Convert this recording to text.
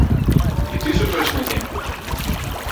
І ты супроць мяне?